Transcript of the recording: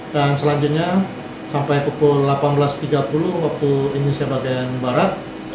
dan selanjutnya sampai pukul delapan belas tiga puluh waktu indonesia bagian barat